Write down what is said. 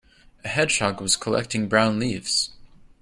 A hedgehog was collecting brown leaves.